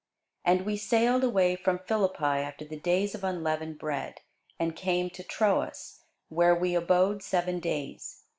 And we sailed away from Philippi after the days of unleavened bread, and came to Troas, where we abode seven days.